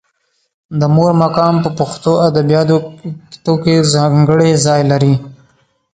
د مور مقام په پښتو ادبیاتو کې ځانګړی ځای لري.